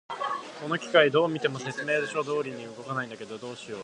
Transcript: この機械、どう見ても説明書通りに動かないんだけど、どうしよう。